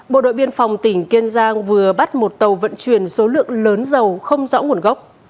bộ đội biên phòng tỉnh kiên giang vừa bắt một tàu vận chuyển số lượng lớn dầu không rõ nguồn gốc